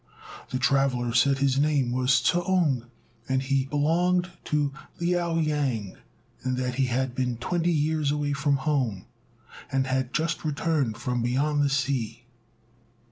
The traveller said his name was T'ung, and that he belonged to Liao yang; that he had been twenty years away from home, and had just returned from beyond the sea.